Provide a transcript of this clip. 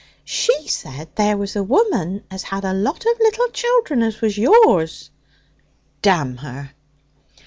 'She said there was a woman as had a lot of little children, as was yours.' 'Damn her!'